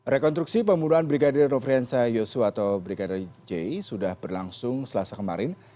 rekonstruksi pemuluhan brigadir rufriensa yosu atau brigadir j sudah berlangsung selasa kemarin